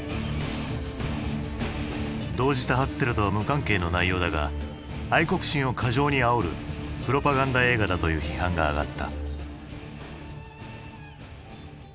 同時多発テロとは無関係の内容だが愛国心を過剰にあおるプロパガンダ映画だという批判が上がった。